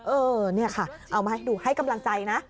เออนี่ค่ะเอามาให้ดูให้กำลังใจนะ